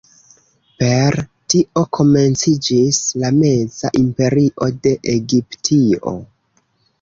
Per tio komenciĝis la Meza Imperio de Egiptio.